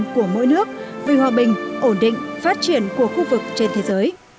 của mỗi nước vì hòa bình ổn định phát triển của khu vực trên thế giới